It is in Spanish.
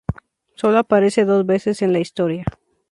Sólo aparece dos veces en la historia.